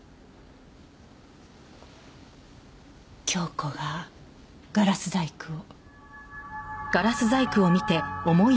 京子がガラス細工を。